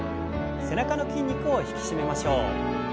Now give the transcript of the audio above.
背中の筋肉を引き締めましょう。